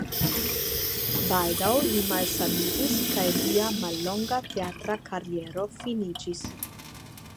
Baldaŭ li malsaniĝis kaj lia mallonga teatra kariero finiĝis.